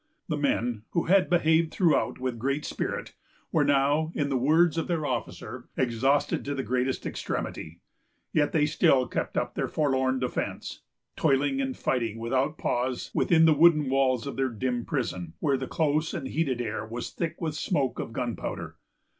The men, who had behaved throughout with great spirit, were now, in the words of their officer, "exhausted to the greatest extremity;" yet they still kept up their forlorn defence, toiling and fighting without pause within the wooden walls of their dim prison, where the close and heated air was thick with the smoke of gunpowder.